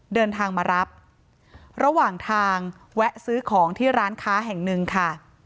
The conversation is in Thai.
เดินทางมารับระหว่างทางแวะซื้อของที่ร้านค้าแห่งหนึ่งค่ะ